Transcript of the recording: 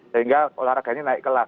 sehingga olahraga ini naik kelas